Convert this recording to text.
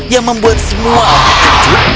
yang membuat semua orang terkejut